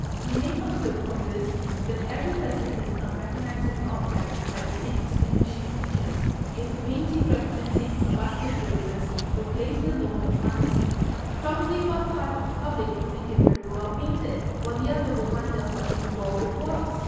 We may conclude from this that every person — does not recognise an object by the same distinguishing features; if the ~ painting representing a basket of roses were placed alone upon the scene — probably one part of the public would think it very well painted while — the other would wonder what in the world it was.